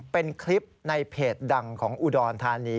เป็นคลิปในเพจดังของอุดรธานี